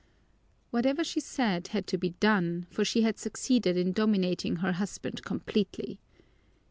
Whatever she said had to be done, for she had succeeded in dominating her husband completely.